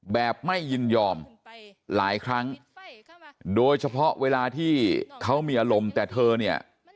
แบบไม่ยินยอมหลายครั้งโดยเฉพาะเวลาที่เขามีอารมณ์แต่เธอเนี่ย